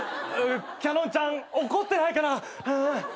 キャノンちゃん怒ってないかな？